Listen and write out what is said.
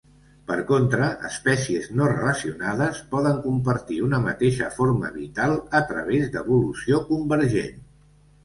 Per contra, espècies no relacionades poden compartir una mateixa forma vital a través d'evolució convergent.